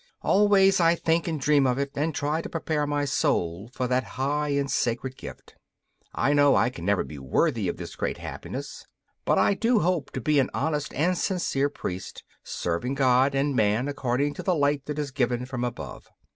Always I think and dream of it and try to prepare my soul for that high and sacred gift. I know I can never be worthy of this great happiness, but I do hope to be an honest and sincere priest, serving God and Man according to the light that is given from above.